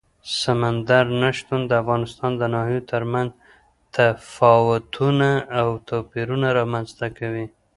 سمندر نه شتون د افغانستان د ناحیو ترمنځ تفاوتونه او توپیرونه رامنځ ته کوي.